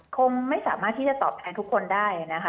คงไม่สามารถที่จะตอบแทนทุกคนได้นะคะ